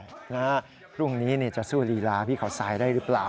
พรุ่งนี้จะสู้ลีลาพี่เขาทรายได้หรือเปล่า